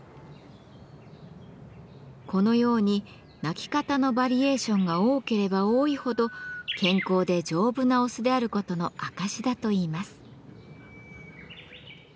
このように鳴き方のバリエーションが多ければ多いほど健康で丈夫なオスであることの証しだといいます。